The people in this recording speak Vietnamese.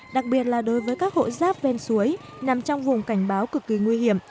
đặc biệt là đối với các hộ giáp ven suối nằm trong vùng cảnh báo cực kỳ nguy hiểm